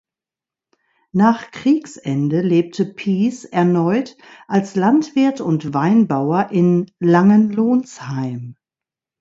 Nach Kriegsende lebte Pies erneut als Landwirt und Weinbauer in Langenlonsheim.